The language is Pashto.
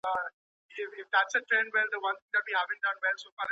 که زده کوونکی ځان خوندي احساس کړي نو ښه تمرکز کوي.